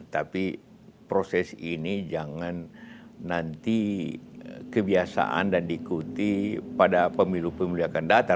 tapi proses ini jangan nanti kebiasaan dan diikuti pada pemilu pemilu akan datang